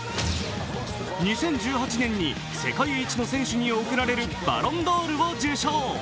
２０１８年に世界一の選手に贈られるバロンドールを受賞。